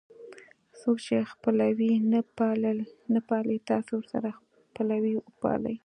څوک چې خپلوي نه پالي تاسې ورسره خپلوي وپالئ.